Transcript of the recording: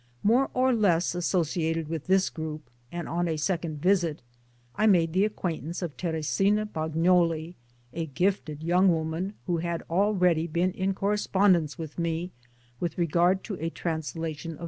More or less associated with this group and on a second visit I made the acquaintance of Teresina Bagnoli, a gifted young woman who had already been in correspondence with me with regard to a translation of T.